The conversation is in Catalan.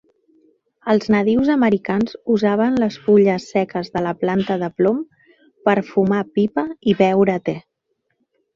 Els nadius americans usaven les fulles seques de la planta de plom per fumar pipa i beure te.